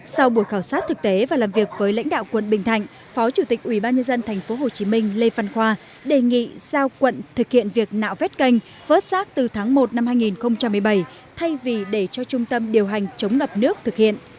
sau buổi khảo sát thực tế và làm việc với lãnh đạo quận bình thạnh phó chủ tịch ubnd tp hcm lê phan khoa đề nghị giao quận thực hiện việc nạo vét canh vớt rác từ tháng một năm hai nghìn một mươi bảy thay vì để cho trung tâm điều hành chống ngập nước thực hiện